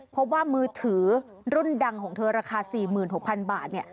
เพราะว่ามือถือรุ่นดังของเธอราคา๔๖๐๐๐บาท